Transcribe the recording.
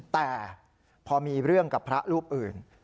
แต่พอมีเรื่องกับพระรูปอื่น